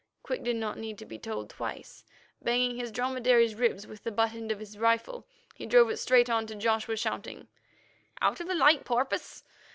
Quick did not need to be told twice. Banging his dromedary's ribs with the butt end of his rifle, he drove it straight on to Joshua, shouting: "Out of the light, porpoise!"